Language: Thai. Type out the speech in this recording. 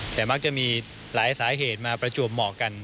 แต่มักจะมีหลายสาเหตุมาประจวบเหมาะกัน